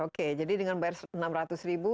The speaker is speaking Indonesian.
oke jadi dengan bayar rp enam ratus ribu